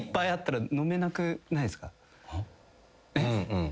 うん？